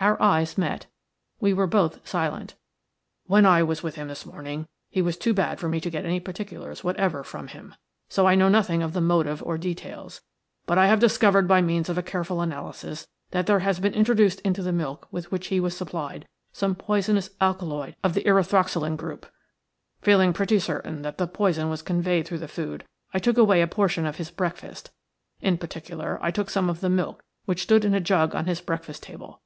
Our eyes met. We were both silent. "When I was with him this morning he was too bad for me to get any particulars whatever from him, so I know nothing of the motive or details; but I have discovered by means of a careful analysis that there has been introduced into the milk with which he was supplied some poisonous alkaloid of the erythroxylon group. Feeling pretty certain that the poison was conveyed through the food, I took away a portion of his breakfast – in particular I took some of the milk which stood in a jug on his breakfast table.